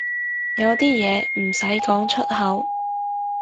有啲嘢唔使講出口